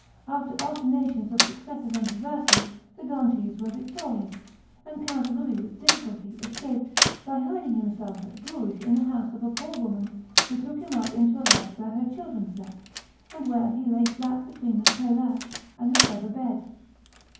After alternations of successes and reverses the Ghentese were victorious; and Count Louis with difficulty escaped by hiding himself at Bruges in the house of a poor woman who took him up into a loft where her children slept, and where he lay flat between the paillasse and the feather bed.